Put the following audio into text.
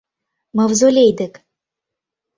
Мавзолей дек